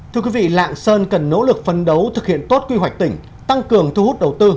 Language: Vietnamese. thưa quý vị lạng sơn cần nỗ lực phân đấu thực hiện tốt quy hoạch tỉnh tăng cường thu hút đầu tư